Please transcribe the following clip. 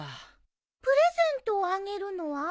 プレゼントをあげるのは？